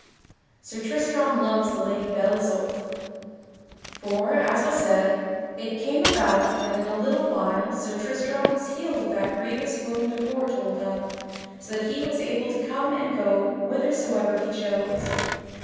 [Sidenote: Sir Tristram loves the Lady Belle Isoult] For, as was said, it came about that in a little while Sir Tristram was healed of that grievous wound aforetold of so that he was able to come and go whithersoever he chose.